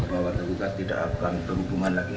bahwa tergugat tidak akan berhubungan lagi